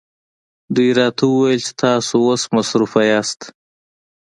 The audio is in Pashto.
دوی راته وویل چې تاسو اوس مصروفه یاست.